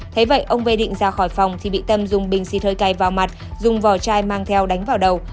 thế vậy ông vê định ra khỏi phòng thì bị tâm dùng bình xịt hơi cay vào mặt dùng vỏ chai mang theo đánh vào đầu